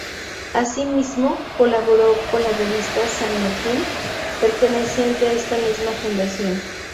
Asimismo, colaboró con la revista "San Martín", perteneciente a esta misma fundación.